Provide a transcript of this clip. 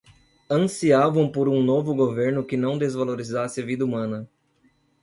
Ansiavam por um novo governo que não desvalorizasse a vida humana